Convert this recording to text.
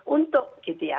untuk gitu ya